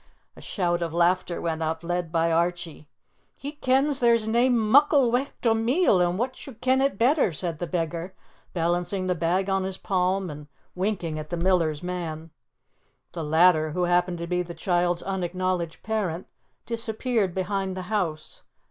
A shout of laughter went up, led by Archie. "He kens there's nae muckle weicht o' meal, and wha' should ken it better?" said the beggar, balancing the bag on his palm and winking at the miller's man. The latter, who happened to be the child's unacknowledged parent, disappeared behind the house.